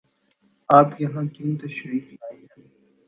آپ یہاں کیوں تشریف لائے ہیں؟